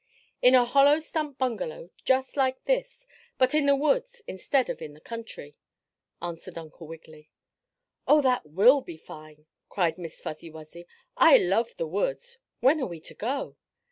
"In a hollow stump bungalow, just like this, but in the woods instead of in the country," answered Uncle Wiggily. "Oh, that will be fine!" cried Miss Fuzzy Wuzzy. "I love the woods. When are we to go?"